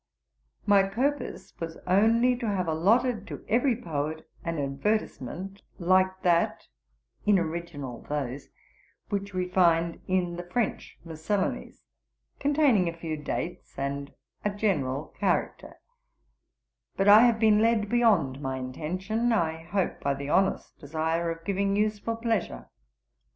'My purpose was only to have allotted to every poet an Advertisement, like that [in original those] which we find in the French Miscellanies, containing a few dates, and a general character; but I have been led beyond my intention, I hope by the honest desire of giving useful pleasure.'